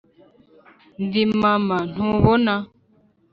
ndi mama, ntubona?